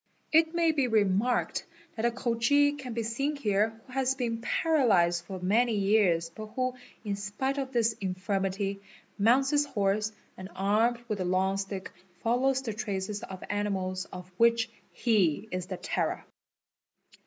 It may be remarked that a Khoji can be seen here who has been paralysed for many years but who, in spite of this infirmity, mounts his horse and armed with a long stick follows the | traces of criminals of which he is the terror.